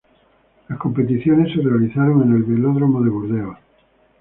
Las competiciones se realizaron en el Velódromo de Burdeos.